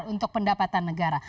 besar untuk pendapatan negara